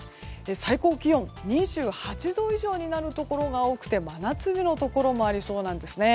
最高気温が２８度以上になるところが多くて真夏日のところもありそうなんですね。